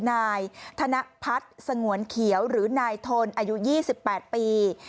นายธนพัฒน์สงวนเขียวหรือนายทนอายุ๒๘ปี